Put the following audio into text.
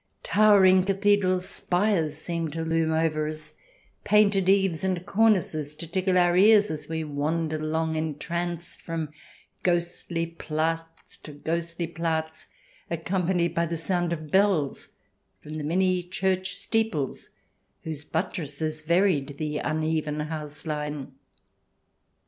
Towering cathedral spires seemed to loom over us, painted eaves and cornices to tickle our ears as we wandered along, entranced, from ghostly Platz to ghostly Platz, accompanied by the sound of bells from the many church steeples whose but tresses varied the uneven house line.